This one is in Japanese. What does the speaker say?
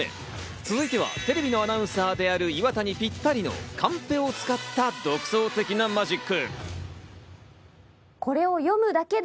続いてはテレビのアナウンサーである岩田にぴったりのカンペを使った、独創的なマジック。